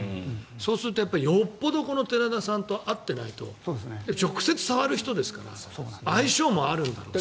そうするとよほど寺田さんと合ってないと直接触る人ですから相性もあるんだろうし。